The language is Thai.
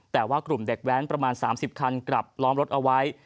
แต่ว่ากลุ่มเด็กแว้นประมาณ๓๐คันกลับล้อมรถเอาไว้